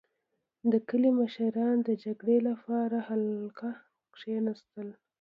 • د کلي مشران د جرګې لپاره حلقه کښېناستل.